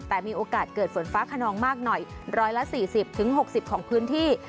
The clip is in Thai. แต่มีโอกาสเกิดฝนฟ้าขนองมากหน่อย๑๔๐๖๐ของพื้นที่